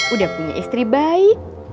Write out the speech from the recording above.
udah punya istri baik